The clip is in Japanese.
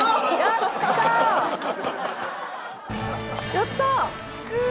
やったー！